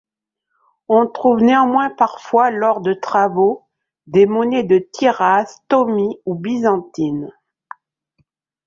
On trouve néanmoins parfois, lors de travaux, des monnaies de Tyras, Tomis ou byzantines.